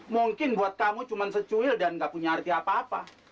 mungkin buat kamu cuma secuil dan gak punya arti apa apa